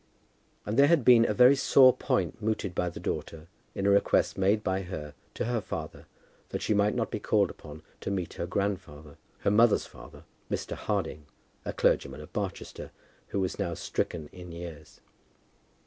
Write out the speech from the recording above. And there had been a very sore point mooted by the daughter in a request made by her to her father that she might not be called upon to meet her grandfather, her mother's father, Mr. Harding, a clergyman of Barchester, who was now stricken in years.